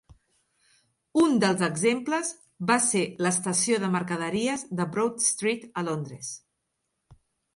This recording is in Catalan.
Un dels exemples va ser l'estació de mercaderies de Broad Street a Londres.